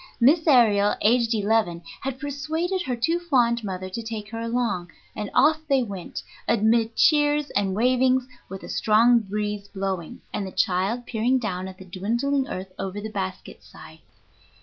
Miss Aërial, aged eleven, had persuaded her too fond mother to take her along, and off they went, amid cheers and wavings, with a strong breeze blowing, and the child peering down at the dwindling earth over the basket side.